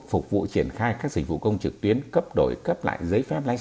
phục vụ triển khai các dịch vụ công trực tuyến cấp đổi cấp lại giấy phép lái xe